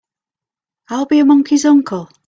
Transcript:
I'll be a monkey's uncle!